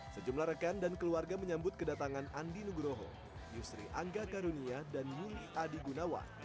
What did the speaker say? sejumlah rekan dan keluarga menyambut kedatangan andi nugroho yusri angga karunia dan muli adi gunawan